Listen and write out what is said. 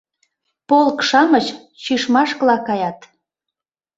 Полк-шамыч Чишмашкыла каят.